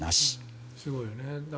すごいよね。